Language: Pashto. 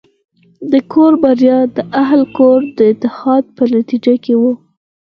د کور بریا د اهلِ کور د اتحاد په نتیجه کې وي.